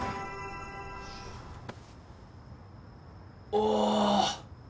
お。